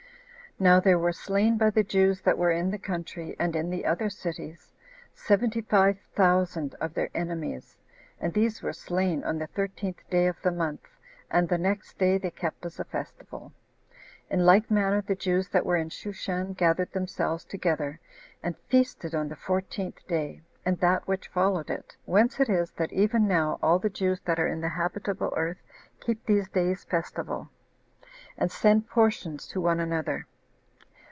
Now there were slain by the Jews that were in the country, and in the other cities, seventy five thousand of their enemies, and these were slain on the thirteenth day of the month, and the next day they kept as a festival. In like manner the Jews that were in Shushan gathered themselves together, and feasted on the fourteenth day, and that which followed it; whence it is that even now all the Jews that are in the habitable earth keep these days festival, and send portions to one another.